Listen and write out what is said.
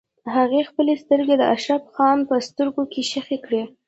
هغې خپلې سترګې د اشرف خان په سترګو کې ښخې کړې.